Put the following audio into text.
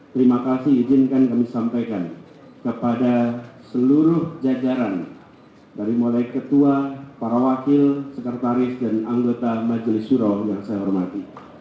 terima kasih izinkan kami sampaikan kepada seluruh jajaran dari mulai ketua para wakil sekretaris dan anggota majelis suro yang saya hormati